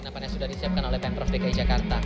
pemginapannya sudah disiapkan oleh pemprov dki jakarta